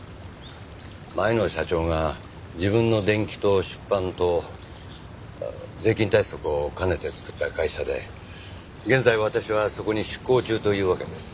前の社長が自分の伝記の出版と税金対策を兼ねて作った会社で現在私はそこに出向中というわけです。